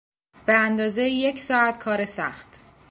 به اندازهی یک ساعت کار سخت